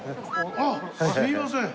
あっすみません。